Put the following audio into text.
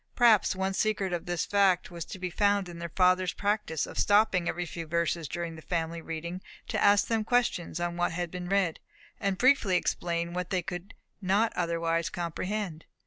Perhaps one secret of this fact was to be found in their father's practice of stopping every few verses during the family reading to ask them questions on what had been read, and briefly to explain what they could not otherwise comprehend.